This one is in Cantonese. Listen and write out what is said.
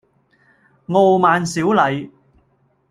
傲慢少禮